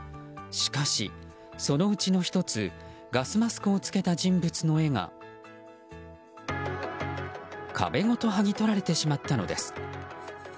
しかし、そのうちの１つガスマスクを着けた人物の絵が壁ごと剥ぎ取られてしまったのです。